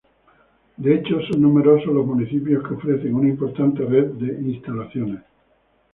De hecho, son numerosos los municipios que ofrecen una importante red de instalaciones.